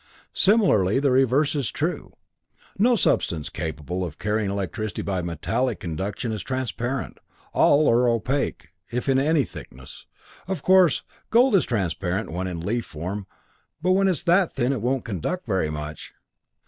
"Similarly, the reverse is true. No substance capable of carrying electricity by metallic conduction is transparent. All are opaque, if in any thickness. Of course, gold is transparent when in leaf form but when it's that thin it won't conduct very much!